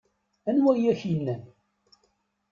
Anwa i ak-innan?